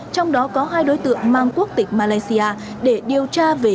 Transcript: trong đó có hai đối tượng mang quốc tịch malaysia để điều tra về